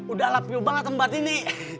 udah lapi ubat sama dini